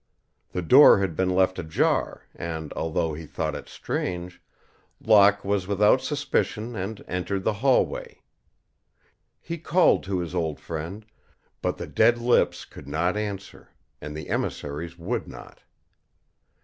The door had been left ajar and, although he thought it strange, Locke was without suspicion and entered the hallway. He called to his old friend, but the dead lips could not answer and the emissaries would not.